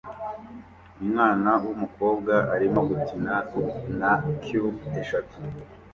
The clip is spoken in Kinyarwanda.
Umwana wumukobwa arimo gukina na cubes eshatu